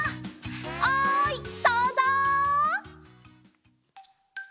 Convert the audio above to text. おいそうぞう！